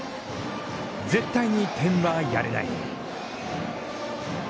絶対に点はやれない。